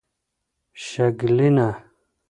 شګلینه